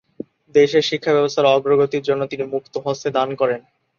দেশে শিক্ষাব্যবস্থার অগ্রগতির জন্য তিনি মুক্তহস্তে দান করেন।